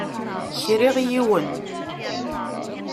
Kriɣ yiwen.